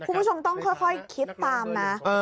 คุณผู้ชมต้องค่อยคิดตามนะ